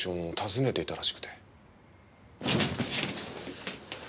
訪ねていたらしくて。